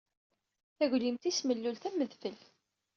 Taglimt-is mellulet am udfel.